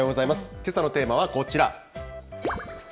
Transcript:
けさのテーマはこちら。